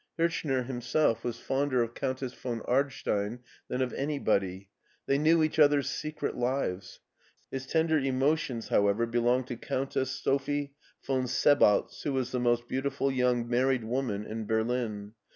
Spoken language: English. Hirch ner himself was fonder of Countess von Ardstein than of anybody. They knew each other's secret lives. His tender emotions, however, belonged to Countess Sophie von Sebaltz, who was the most beautiful young married woman in Berlin.